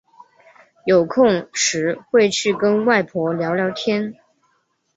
有空时会去跟外婆聊聊天